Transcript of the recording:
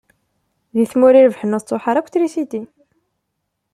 Di tmura irebḥen ur tettṛuḥu ara akk trisiti.